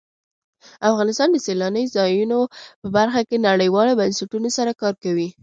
افغانستان د سیلانی ځایونه په برخه کې نړیوالو بنسټونو سره کار کوي.